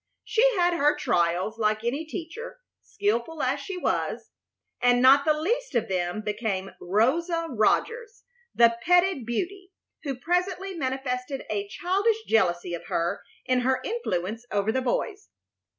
She had her trials like any teacher, skilful as she was, and not the least of them became Rosa Rogers, the petted beauty, who presently manifested a childish jealousy of her in her influence over the boys.